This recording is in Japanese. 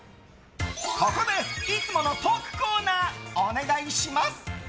ここでいつものトークコーナーお願いします！